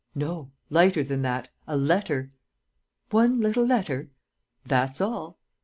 "No lighter than that a letter!" "One little letter?" "That's all."